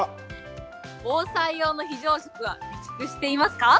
防災用の非常食は備蓄していますか。